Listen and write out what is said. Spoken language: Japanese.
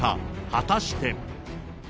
果たして。